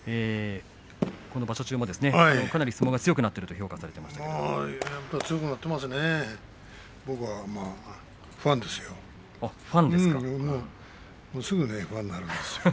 この場所中もかなり相撲が強くなっていると評価されていましたね。